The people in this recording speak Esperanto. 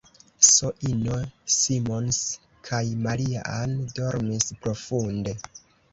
S-ino Simons kaj Maria-Ann dormis profunde.